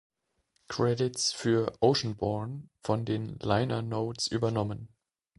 Credits für „Oceanborn“ von den Liner Notes übernommen.